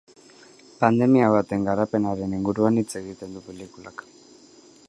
Pandemia baten garapenaren inguruan hitz egiten du pelikulak.